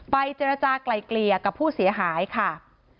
เจรจากลายเกลี่ยกับผู้เสียหายค่ะ